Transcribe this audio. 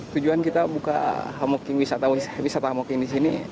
tujuan kita buka hamoking wisata wisata hamoking di sini